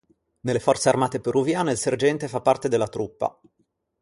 Nelle forze armate peruviane il sergente fa parte della truppa.